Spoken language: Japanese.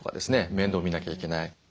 面倒を見なきゃいけない。